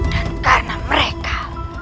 dan karena mereka